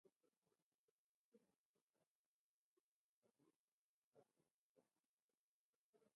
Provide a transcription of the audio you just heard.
أنلني أو ادللني على من ينيلني